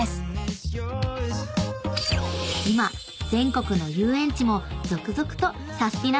［今全国の遊園地も続々とサスティな！